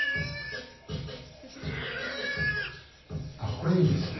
あこれいいですね。